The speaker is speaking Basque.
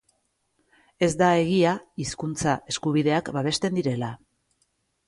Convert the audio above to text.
Ez da egia hizkuntza eskubideak babesten direla.